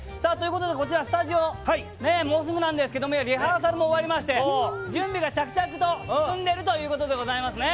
こちらスタジオでもうすぐなんですがリハーサルも終わりまして準備が着々と進んでいるということでございますね。